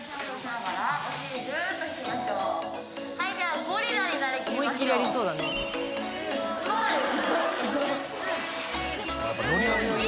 はい。